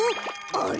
あれ？